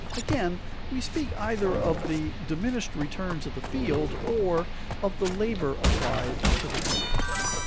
Again, we speak either of the diminished returns of the field, or of the labor applied to the field.